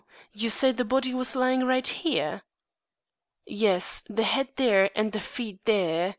You say the body was lying right here?" "Yes the head there, and the feet there.